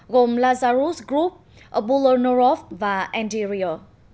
gồm lazarus group bulonorov và enderia